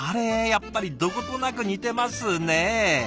やっぱりどことなく似てますね。